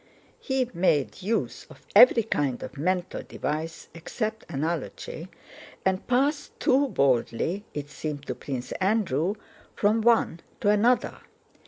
He made use of every kind of mental device, except analogy, and passed too boldly, it seemed to Prince Andrew, from one to another.